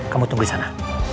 kamu tunggu di sana